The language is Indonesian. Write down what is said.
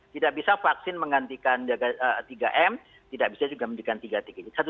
tidak bisa vaksin menggantikan tiga m tidak bisa juga menggantikan tiga t tiga